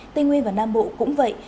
tây nguyên và nam bộ cũng vậy